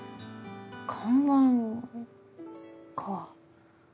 看板か。